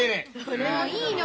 もういいの。